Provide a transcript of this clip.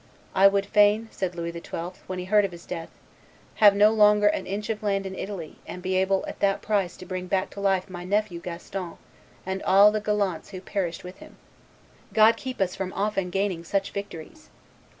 "I would fain," said Louis XIL, when he heard of his death, "have no longer an inch of land in Italy, and be able at that price to bring back to life my nephew Gaston and all the gallants who perished with him. God keep us from often gaining such victories!"